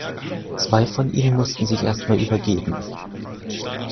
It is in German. Zwei von ihnen mussten sich erst mal übergeben.